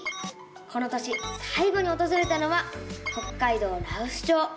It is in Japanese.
この年さい後におとずれたのは北海道羅臼町。